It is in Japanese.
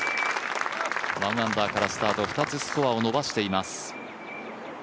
１アンダーからスタート２つスコアを伸ばしています。